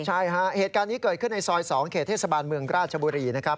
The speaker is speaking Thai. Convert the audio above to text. ใช่ฮะเหตุการณ์นี้เกิดขึ้นในซอย๒เขตเทศบาลเมืองราชบุรีนะครับ